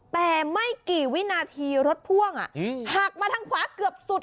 แต่ไม่กี่วินาทีรถพ่วงหักมาทางขวาเกือบสุด